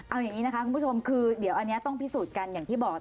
เอาอย่างนี้นะคะคุณผู้ชมคือเดี๋ยวอันนี้ต้องพิสูจน์กันอย่างที่บอก